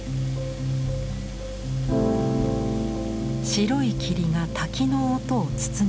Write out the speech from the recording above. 白い霧が滝の音を包み込み